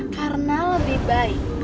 karena lebih baik